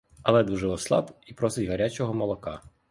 Але дуже ослаб і просить гарячого молока.